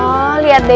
oh lihat deh